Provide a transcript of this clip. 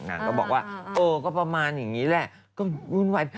นางก็บอกว่าเออก็ประมาณอย่างนี้แหละ